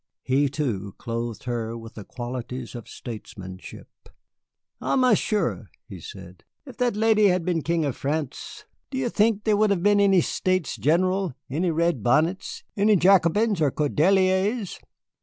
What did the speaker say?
He too, clothed her with the qualities of statesmanship. "Ha, Monsieur," he said, "if that lady had been King of France, do you think there would have been any States General, any red bonnets, any Jacobins or Cordeliers?